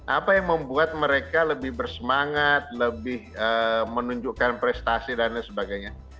apa yang membuat mereka lebih bersemangat lebih menunjukkan prestasi dan lain sebagainya